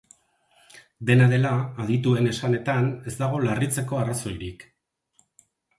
Dena dela, adituen esanetan, ez dago larritzeko arrazoirik.